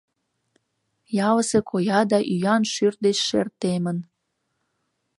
Ялысе коя да ӱян шӱр деч шер темын.